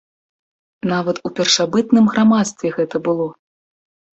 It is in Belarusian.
Нават у першабытным грамадстве гэта было!